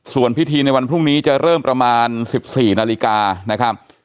ส่วนพิธีในวันพรุ่งนี้จะเริ่มประมาณ๑๔นาฬิกานะครับ